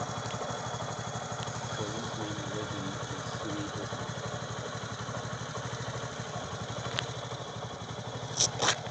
Jordan’s main religion is Sunni Islam.